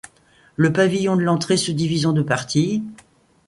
Le pavillon de l'entrée se divise en deux parties.